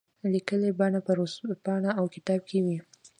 لیکلي بڼه په ورځپاڼه او کتاب کې وي.